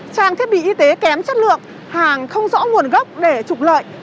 trang thiết bị y tế kém chất lượng hàng không rõ nguồn gốc để trục lợi